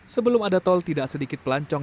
sebelum ada tol tidak sedikit pelancong